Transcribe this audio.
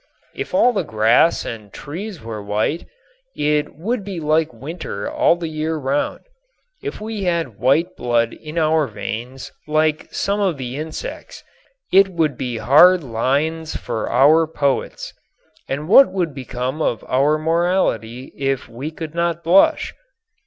If all the grass and trees were white, it would be like winter all the year round. If we had white blood in our veins like some of the insects it would be hard lines for our poets. And what would become of our morality if we could not blush?